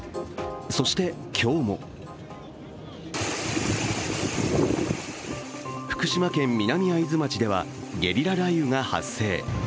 そして今日も福島県南会津町ではゲリラ雷雨が発生。